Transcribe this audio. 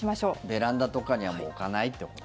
ベランダとかにはもう置かないってことか。